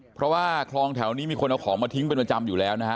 เพราะว่าคลองแถวนี้มีคนเอาของมาทิ้งเป็นประจำอยู่แล้วนะฮะ